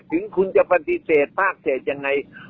ถึงคุณจะปฏิเสธภาคเศษยังไง